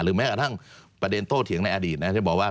แม้กระทั่งประเด็นโต้เถียงในอดีตที่บอกว่า